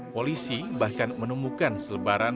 polisi bahkan menemukan selebaran